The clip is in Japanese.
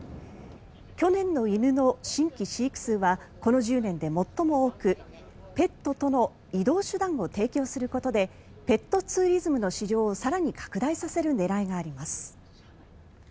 去年の犬の新規飼育数はこの１０年で最も多くペットとの移動手段を提供することでペットツーリズムの市場を更に拡大させる狙いがあります。